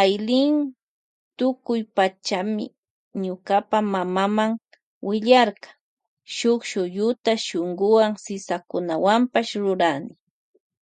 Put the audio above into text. Aylin willarka tukuy pachami ñukapa mamama shuk shuyuta shunkuwan sisakunawanpash rurani.